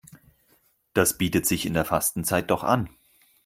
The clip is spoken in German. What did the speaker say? Das bietet sich in der Fastenzeit doch an.